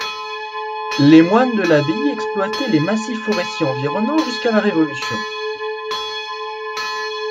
Les moines de l'abbaye exploitaient les massifs forestiers environnant jusqu'à la Révolution.